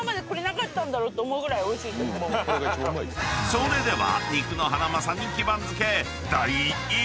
［それでは］